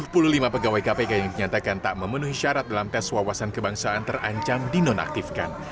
tujuh puluh lima pegawai kpk yang dinyatakan tak memenuhi syarat dalam tes wawasan kebangsaan terancam dinonaktifkan